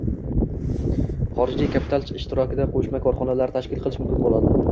Xorijiy kapital ishtirokida qo‘shma korxonalar tashkil qilish mumkin bo‘ldi.